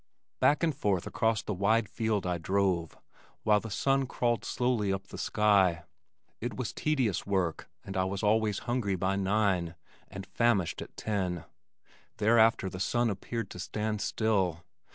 Back and forth across the wide field I drove, while the sun crawled slowly up the sky. It was tedious work and I was always hungry by nine, and famished at ten. Thereafter the sun appeared to stand still.